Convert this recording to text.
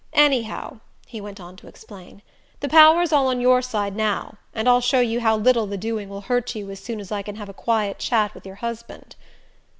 "Anyhow," he went on to explain, "the power's all on your side now; and I'll show you how little the doing will hurt you as soon as I can have a quiet chat with your husband."